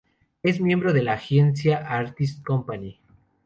Es miembro de la agencia "Artist Company".